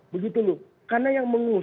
begitu loh karena yang